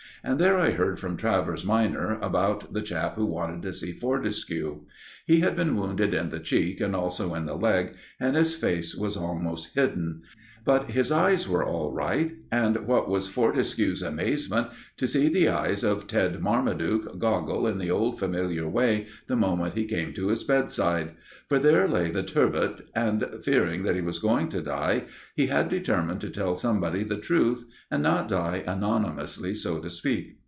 And there I heard from Travers minor about the chap who wanted to see Fortescue. He had been wounded in the cheek and also in the leg, and his face was almost hidden; but his eyes were all right, and what was Fortescue's amazement to see the eyes of Ted Marmaduke goggle in the old familiar way the moment he came to his bedside. For there lay the "Turbot," and fearing that he was going to die, he had determined to tell somebody the truth, and not die anonymously, so to speak.